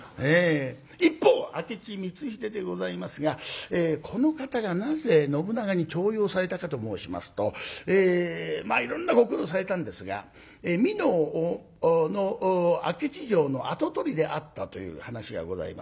一方明智光秀でございますがこの方がなぜ信長に重用されたかと申しますとまあいろんなご苦労されたんですが美濃の明智城の跡取りであったという話がございます。